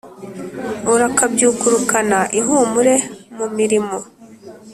urakabyukurukana ihumure mu mirimo,